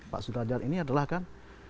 pak sudrajat ini adalah kan